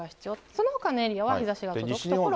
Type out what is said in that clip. そのほかのエリアは日ざしが届く所があります。